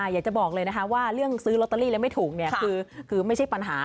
อยากจะบอกเลยนะคะว่าเรื่องซื้อลอตเตอรี่แล้วไม่ถูกคือไม่ใช่ปัญหา